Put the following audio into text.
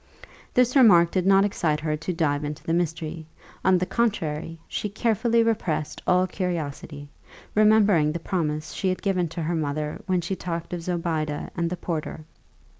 This remark did not excite her to dive into the mystery: on the contrary, she carefully repressed all curiosity, remembering the promise she had given to her mother when she talked of Zobeide and the porter.